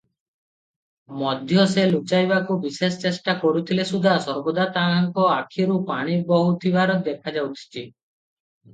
ମଧ୍ୟ ସେ ଲୁଚାଇବାକୁ ବିଶେଷ ଚେଷ୍ଟା କରୁଥିଲେ ସୁଦ୍ଧା ସର୍ବଦା ତାହାଙ୍କ ଆଖିରୁ ପାଣି ବହୁଥିବାର ଦେଖାଯାଉଅଛି ।